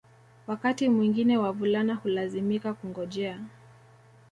Wakati mwingine wavulana hulazimika kungojea